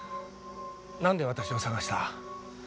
なんで私を捜した？